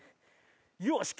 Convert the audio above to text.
よし！